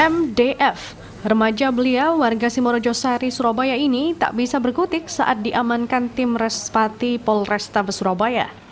m d f remaja belia warga simorojo sari surabaya ini tak bisa berkutik saat diamankan tim respati polrestabes surabaya